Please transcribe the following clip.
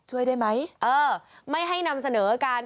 ช่วยได้ไหมเออไม่ให้นำเสนอกัน